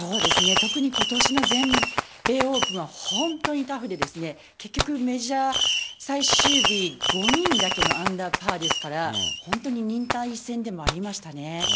特にことしの全米オープンは本当にタフで、結局、メジャー最終日、５人だけのアンダーパーですから、本当に忍耐戦でもありましたね。